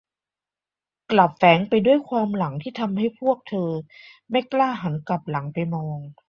กลับแฝงไปด้วยความหลังที่ทำให้พวกเธอไม่อยากหันหลังกลับไปมอง